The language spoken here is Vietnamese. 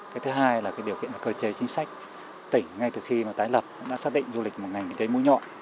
cái thứ hai là điều kiện cơ chế chính sách tỉnh ngay từ khi tái lập đã xác định du lịch một ngành mũi nhọn